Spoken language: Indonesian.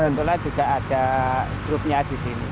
nah kebetulan juga ada grupnya disini